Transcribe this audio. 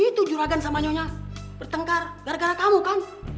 itu juragan sama nyonya bertengkar gara gara kamu kan